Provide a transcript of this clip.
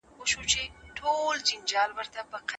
د جرګي په جریان کي به د هیواد د سوکالۍ لپاره ګټوري مشوري کيدلي.